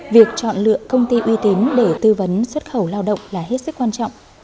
việc chọn lựa công ty uy tín để tư vấn xuất khẩu lao động là hết sức quan trọng